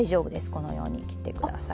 このように切って下さい。